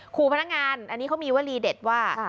ขู่พนักงานอันนี้เขามีวลีเด็ดว่า